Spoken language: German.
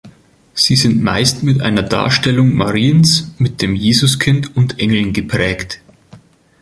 Sie sind meist mit einer Darstellung Mariens mit dem Jesuskind und Engeln geprägt.